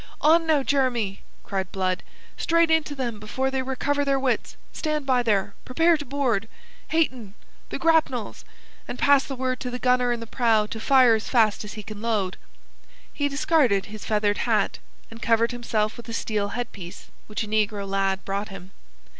"On, now, Jeremy!" cried Blood. "Straight into them before they recover their wits. Stand by, there! Prepare to board! Hayton ... the grapnels! And pass the word to the gunner in the prow to fire as fast as he can load." He discarded his feathered hat, and covered himself with a steel head piece, which a negro lad brought him.